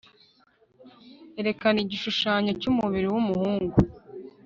erekana igishushanyo cy'umubiri w'umuhungu